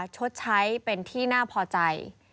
ชดใช้เป็นที่น่าพอใจ